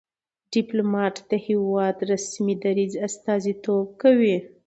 ډيپلومات د هېواد د رسمي دریځ استازیتوب کوي.